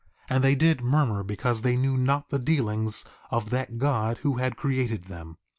And they did murmur because they knew not the dealings of that God who had created them.